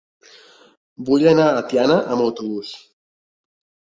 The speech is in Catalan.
Vull anar a Tiana amb autobús.